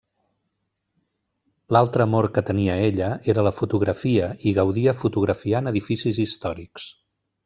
L'altre amor que tenia ella era la fotografia i gaudia fotografiant edificis històrics.